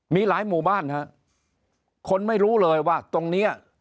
มีหลายหมู่บ้านฮะคนไม่รู้เลยว่าตรงเนี้ย